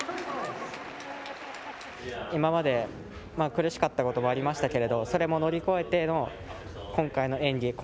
今まで苦しかったことがありましたけどそれも乗り越えての今回の演技